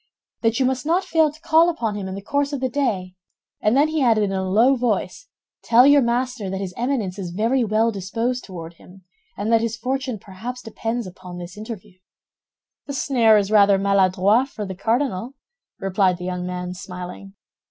"That you must not fail to call upon him in the course of the day; and then he added in a low voice, 'Tell your master that his Eminence is very well disposed toward him, and that his fortune perhaps depends upon this interview.'" "The snare is rather maladroit for the cardinal," replied the young man, smiling.